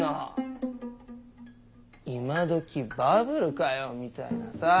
今どきバブルかよみたいなさぁ。